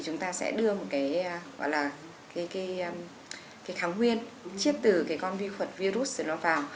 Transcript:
chúng ta sẽ đưa một cái kháng nguyên chiếp từ con vi khuẩn virus vào